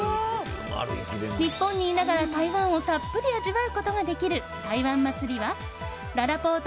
日本にいながら、台湾をたっぷり味わうことができる台湾祭は、ららぽーと